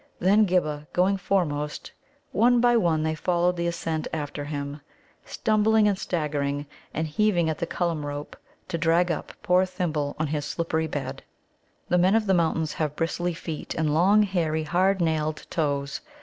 Then, Ghibba going foremost, one by one they followed the ascent after him, stumbling and staggering, and heaving at the Cullum rope to drag up poor Thimble on his slippery bed. The Men of the Mountains have bristly feet and long, hairy, hard nailed toes.